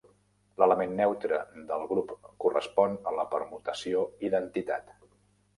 L'element neutre del grup correspon a la permutació identitat.